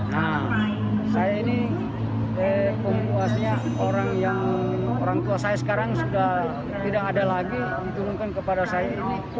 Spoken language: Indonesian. nah saya ini pemuasnya orang yang orang tua saya sekarang sudah tidak ada lagi diturunkan kepada saya ini